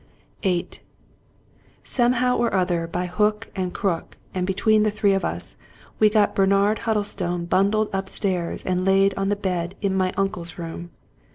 VIII Somehow or other, by hook and crook, and between the three of us, we got Bernard Huddlestone bundled upstairs and laid upon the bed in My Uncle's Room.